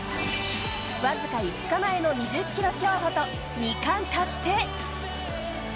僅か５日前の２０ｋｍ競歩と２冠達成。